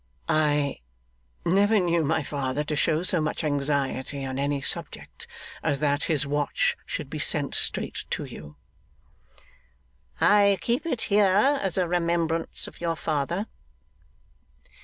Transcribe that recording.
'I never knew my father to show so much anxiety on any subject, as that his watch should be sent straight to you.' 'I keep it here as a remembrance of your father.